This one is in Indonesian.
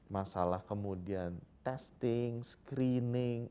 masalah kemudian testing screening